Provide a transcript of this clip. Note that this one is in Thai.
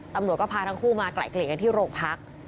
ตำรวจก็พาทั้งคู่มาไกลเกลี่ยกันที่โรงพัก